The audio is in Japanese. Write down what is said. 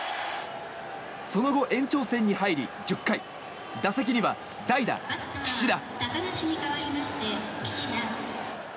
その後、延長戦に入り１０回、打席には代打、岸田。